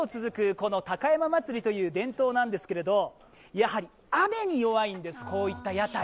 この高山祭という伝統なんですけれども、やはり雨に弱いんですこういった屋台。